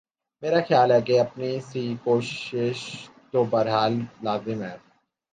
میرا خیال ہے کہ اپنی سی کوشش تو بہر حال لازم ہے۔